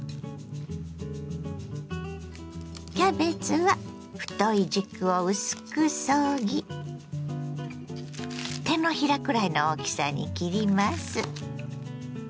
キャベツは太い軸を薄くそぎ手のひらくらいの大きさに切ります。